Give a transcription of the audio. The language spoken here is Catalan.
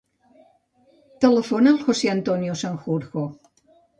Telefona al José antonio Sanjurjo.